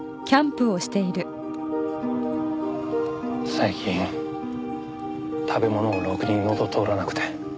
最近食べ物もろくにのど通らなくて。